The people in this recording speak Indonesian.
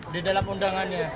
di dalam undangannya